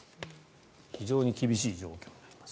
非常に厳しい状況になります。